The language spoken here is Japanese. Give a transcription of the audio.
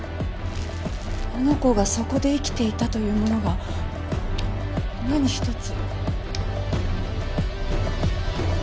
あの子がそこで生きていたというものが何一つ。